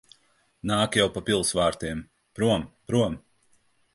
Nāk jau pa pils vārtiem. Prom! Prom!